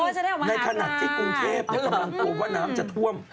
โอ้โฮจะได้ออกมาหลังค่ะในขณะที่กรุงเทพฯมันกำลังโปร่งว่าน้ำจะท่วม